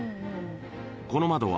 ［この窓は］